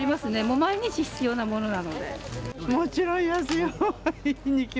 毎日必要なものなので。